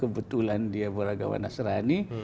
kebetulan dia beragama nasrani